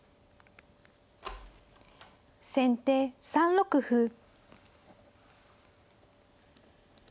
先手３六歩。